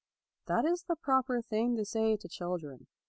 LAUD 227 That is the proper thing to say to children.